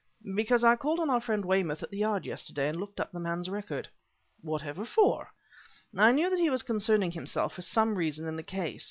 "Because I called on our friend Weymouth at the Yard yesterday and looked up the man's record." "Whatever for?" "I knew that he was concerning himself, for some reason, in the case.